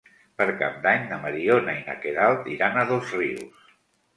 Per Cap d'Any na Mariona i na Queralt iran a Dosrius.